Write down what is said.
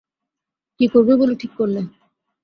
কী করবে বলে ঠিক করলে?